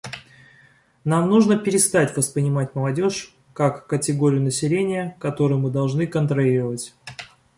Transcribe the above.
Нам нужно перестать воспринимать молодежь как категорию населения, которую мы должны контролировать.